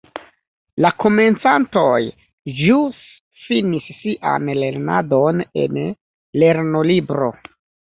La komencantoj, ĵus finis sian lernadon en lernolibro.